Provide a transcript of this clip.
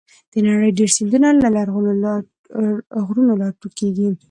د نړۍ ډېری سیندونه له غرونو راټوکېږي.